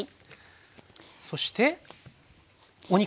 そしてお肉。